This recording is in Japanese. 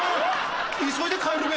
急いで帰るべ。